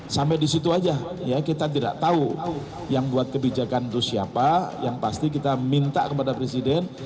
sampai di situ saja kita tidak tahu yang buat kebijakan itu siapa yang pasti kita minta kepada presiden